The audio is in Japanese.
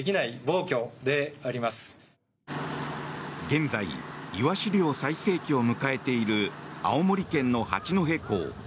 現在、イワシ漁最盛期を迎えている青森県の八戸港。